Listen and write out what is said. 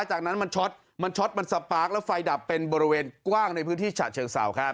จากนั้นมันช็อตมันช็อตมันสปาร์คแล้วไฟดับเป็นบริเวณกว้างในพื้นที่ฉะเชิงเศร้าครับ